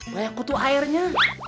banyak kutu airnya